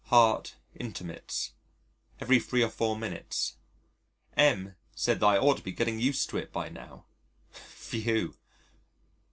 Heart intermits. Every three or four minutes. M said that I ought to be getting used to it by now! Phew!!